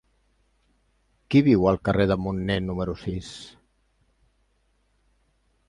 Qui viu al carrer de Munné número sis?